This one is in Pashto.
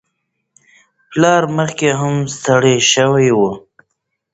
پلار مخکې هم ستړی شوی و.